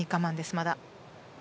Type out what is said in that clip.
まだ。